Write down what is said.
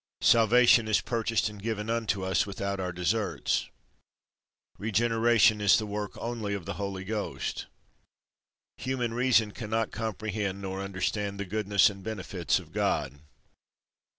Salvation is purchased and given unto us without our deserts. Regeneration is the work only of the Holy Ghost. Human reason cannot comprehend nor understand the goodness and benefits of God.